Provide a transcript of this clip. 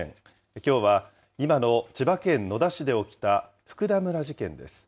きょうは、今の千葉県野田市で起きた福田村事件です。